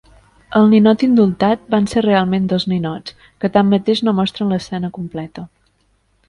El ninot indultat van ser realment dos ninots, que tanmateix no mostren l'escena completa.